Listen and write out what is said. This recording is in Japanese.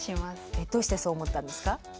どうしてそう思ったんですか？